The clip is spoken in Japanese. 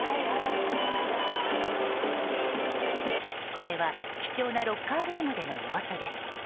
これは貴重なロッカールームでの様子です。